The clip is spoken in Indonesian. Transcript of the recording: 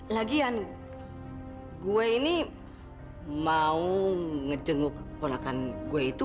lagian gue ini mau ngejenguk ponakan gue itu